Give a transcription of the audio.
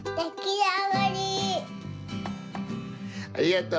ありがとう！